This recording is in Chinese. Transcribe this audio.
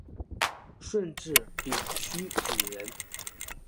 顺治丙戌举人。